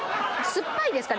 すっぱいですか？